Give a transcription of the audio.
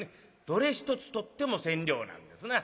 どれ一つとっても千両なんですな。